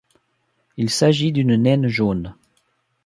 Il s'agit d'une naine jaune.